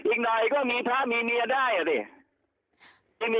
อีกหน่อยก็มีพระมีเมียได้อ่ะดิ